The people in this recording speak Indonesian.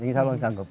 insya allah sanggup